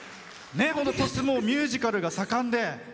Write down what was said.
鳥栖もミュージカルが盛んで。